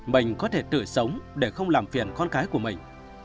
mình có thể tử sống để không làm phiền con cái của mình